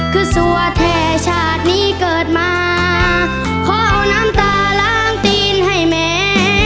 คือสัวแท้ชาตินี้เกิดมาขอเอาน้ำตาล้างตีนให้แม่